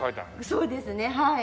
そうですねはい。